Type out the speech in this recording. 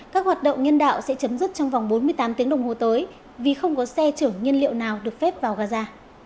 các hoạt động nhân đạo sẽ chấm dứt trong vòng bốn mươi tám tiếng đồng hồ tới vì không có xe chở nhân liệu nào được phép vào gaza